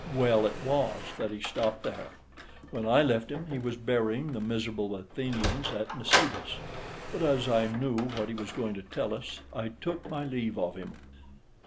Well it was that he stopped there. When I left him, he was burying the miserable Athenians at Nisibis; but as I knew what he was going to tell us, I took my leave of him.